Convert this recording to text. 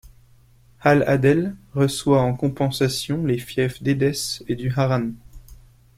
Al-Adel reçoit en compensation les fief d'Édesse et du Harrân.